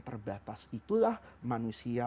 terbatas itulah manusia